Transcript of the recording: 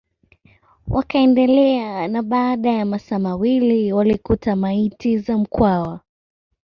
Wakaendelea na baada ya masaa mawili walikuta maiti za Mkwawa